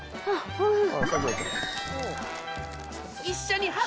おいひい。